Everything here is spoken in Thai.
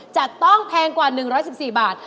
จะต้องแพงกว่า๑๑๔บาท